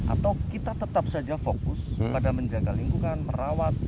atau kita tetap saja fokus pada menjaga lingkungan merawat